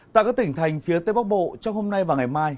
tại các tỉnh thành phía tây bắc bộ trong hôm nay và ngày mai